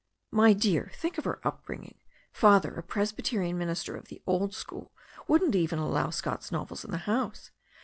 "My dear, think of her upbringing. Father a Presby terian minister of the old school, wouldn't even allow Scott's novels in the house.